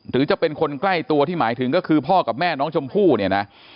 หรือจะเป็นคนใกล้ตัวที่หมายถึงก็คือพ่อกับแม่น้องชมพู่เนี่ยนะ